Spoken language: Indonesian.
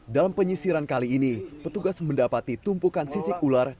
dalam penyisiran kali ini petugas mendapati tumpukan sisik ular